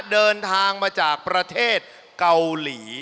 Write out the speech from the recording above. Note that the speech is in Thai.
เดินทางมาจากประเทศเกาหลี